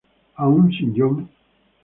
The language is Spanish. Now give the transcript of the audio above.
Aun sin John.